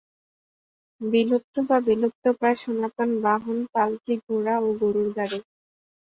বিলুপ্ত বা বিলুপ্তপ্রায় সনাতন বাহন পাল্কি, ঘোড়া ও গরুর গাড়ি।